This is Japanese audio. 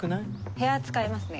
部屋使いますね。